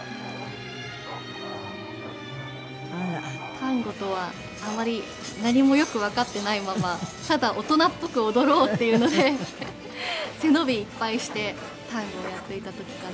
タンゴとはあまり何もよくわかっていないままただ大人っぽく踊ろうっていうので背伸びいっぱいしてタンゴをやっていた時かな。